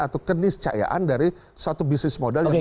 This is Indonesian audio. atau keniscayaan dari suatu bisnis modal yang baru masuk